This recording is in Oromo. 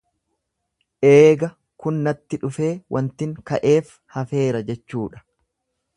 Eega kun natti dhufee wantin ka'eef hafeera jechuudha.